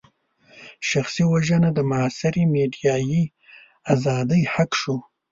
شخصيت وژنه د معاصرې ميډيايي ازادۍ حق شو.